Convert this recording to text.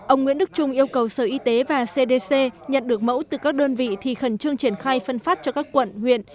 ông nguyễn đức trung yêu cầu sở y tế và cdc nhận được mẫu từ các đơn vị thì khẩn trương triển khai phân phát cho các quận huyện